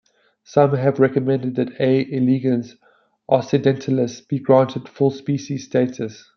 Some have recommended that "A. elegans occidentalis" be granted full species status.